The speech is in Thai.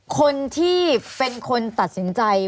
คนที่เป็นคนตัดสินใจ